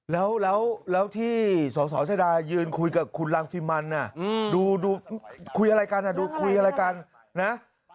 แล้วที่สองชนาดายืนคุยกับคุณรังสิมันดูคุยอะไรกันนะ